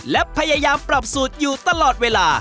และพยายามปรับสูตรอยู่ตลอดเวลา